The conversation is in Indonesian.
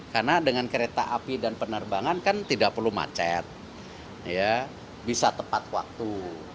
karena dengan kereta api dan penerbangan kan tidak perlu macet bisa tepat waktu